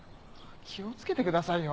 気を付けてくださいよ。